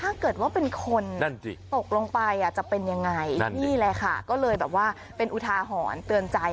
ถ้าเกิดว่าเป็นคนตกลงไปจะเป็นยังไงนี่แหละค่ะก็เลยแบบว่าเป็นอุทาหรณ์เตือนใจ